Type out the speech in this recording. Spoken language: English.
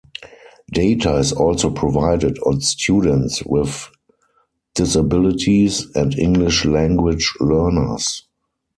Data is also provided on students with disabilities and English language learners.